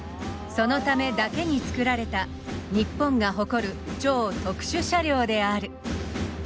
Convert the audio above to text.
そのためだけに作られた日本が誇る超特殊車両である。